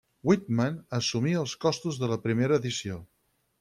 Whitman assumí els costos de la primera edició.